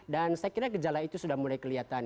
dan saya kira gejala itu sudah mulai kelihatan